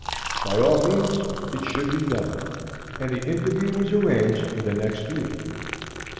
By all means, it should be done. And the interview was arranged for the next week.